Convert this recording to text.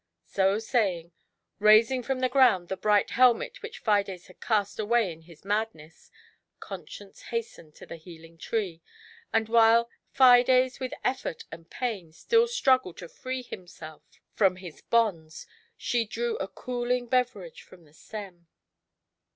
So saying, raising from the gi ound the bright helmet which Fides had cast away in his madness, Conscience hastened to the healing tree, and while Fides with eflfort and pain still struggled to free himself from 102 GIANT HATE. his bonds, she drew a cooling beverage from the stem.